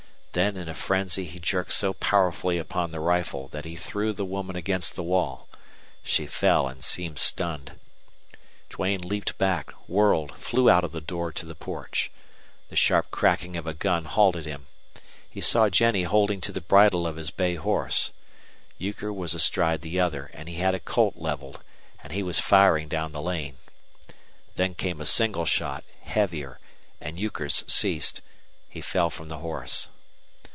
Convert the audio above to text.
Then in a frenzy he jerked so powerfully upon the rifle that he threw the woman against the wall. She fell and seemed stunned. Duane leaped back, whirled, flew out of the door to the porch. The sharp cracking of a gun halted him. He saw Jennie holding to the bridle of his bay horse. Euchre was astride the other, and he had a Colt leveled, and he was firing down the lane. Then came a single shot, heavier, and Euchre's ceased. He fell from the horse.